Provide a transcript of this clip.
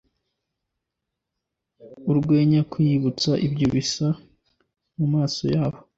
urwenya, kwibuka, ibyo bisa mumaso yabo